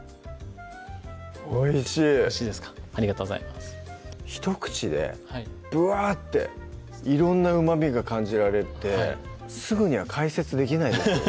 おいしいありがとうございますひと口でぶわって色んなうまみが感じられてすぐには解説できないですね